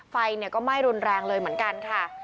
ไฟก็ไหม้รุนแรงเลยเหมือนกันค่ะ